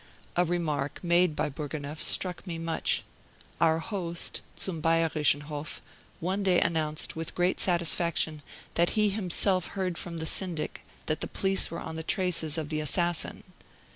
A remark made by Bourgonef struck me much. Our host, Zum Bayerischen Hof, one day announced with great satisfaction that he had himself heard from the syndic that the police were on the traces of the assassin.